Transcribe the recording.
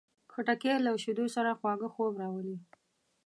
خټکی له شیدو سره خواږه خوب راولي.